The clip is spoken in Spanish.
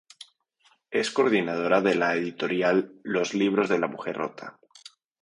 Es coordinadora de la editorial Los libros de La Mujer Rota.